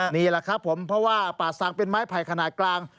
นี่แหละครับผมเพราะว่าป่าศักดิ์เป็นไม้ไผ่ขนาดกลาง